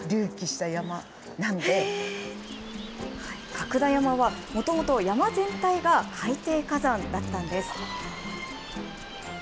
角田山は、もともと山全体が海底火山だったんです。